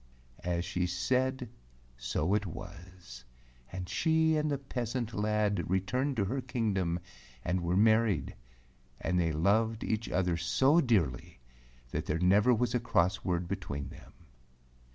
As she said so it was, and she and the peasant lad returned to her kingdom and were married, and they loved each other so dearly that there never was a cross word between them.